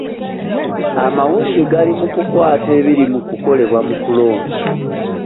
Amawulire gali mu kukwata ebiri mu kukolebwa mu kulonda.